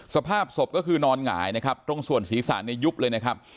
สภาพศพก็คือนอนหงายนะครับตรงส่วนศีรษะเนี่ยยุบเลยนะครับ